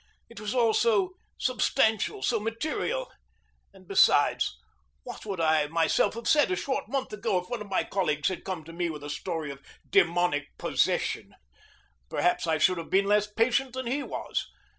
It was all so substantial, so material. And, besides, what would I myself have said a short month ago if one of my colleagues had come to me with a story of demonic possession? Perhaps. I should have been less patient than he was.